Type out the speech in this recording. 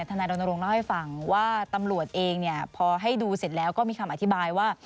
นายรณรงค์เล่าให้ฟังว่าตำรวจเองพอให้ดูเสร็จแล้วก็มีคำอธิบายว่า